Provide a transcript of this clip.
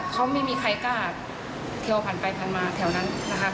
เขาไม่มีใครกล้าเที่ยวผ่านไปผ่านมาแถวนั้นนะคะ